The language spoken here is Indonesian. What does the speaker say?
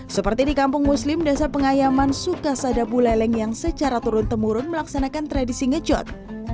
seperti di kampung muslim desa pengayaman sukasadabuleleng yang secara turun temurun melaksanakan tradisi ngecot